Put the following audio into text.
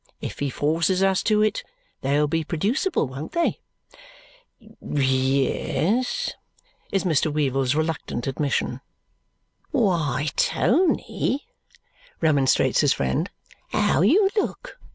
If he forces us to it, they'll be producible, won't they?" "Ye es," is Mr. Weevle's reluctant admission. "Why, Tony," remonstrates his friend, "how you look!